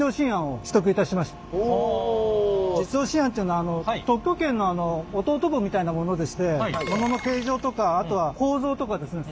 実用新案というのは特許権の弟分みたいなものでしてものの形状とかあとは構造とかですね